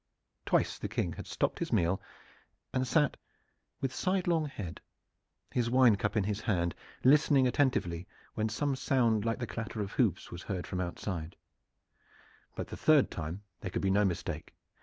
Twice the King had stopped his meal and sat with sidelong head; his wine cup in his hand, listening attentively when some sound like the clatter of hoofs was heard from outside; but the third time there could be no mistake.